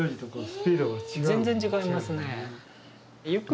全然違いますね。